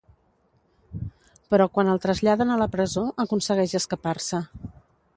Però quan el traslladen a la presó aconsegueix escapar-se.